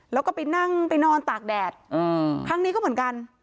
แล้วก็ไปนั่งไปนอนตากแดดครั้งนี้ก็เหมือนกัน